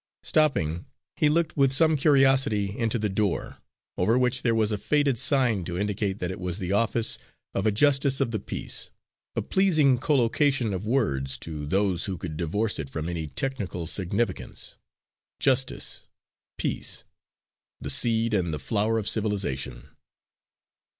Stopping, he looked with some curiosity into the door, over which there was a faded sign to indicate that it was the office of a Justice of the Peace a pleasing collocation of words, to those who could divorce it from any technical significance Justice, Peace the seed and the flower of civilisation.